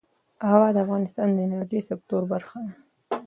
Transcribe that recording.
هوا د افغانستان د انرژۍ سکتور برخه ده.